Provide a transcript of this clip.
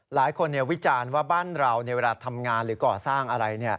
วิจารณ์ว่าบ้านเราในเวลาทำงานหรือก่อสร้างอะไร